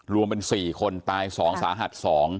รวมเป็น๔คนตาย๒สาหัส๒